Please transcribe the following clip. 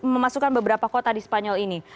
memasukkan beberapa kota di spanyol ini